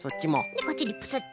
こっちにプスッと。